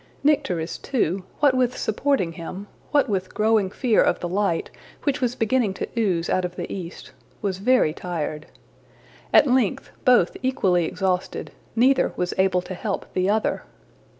Nycteris too, what with supporting him, what with growing fear of the light which was beginning to ooze out of the east, was very tired. At length, both equally exhausted, neither was able to help the other.